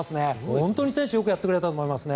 本当に選手はよくやってくれたと思いますね。